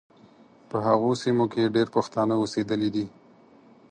په هغو سیمو کې ډېر پښتانه اوسېدلي دي.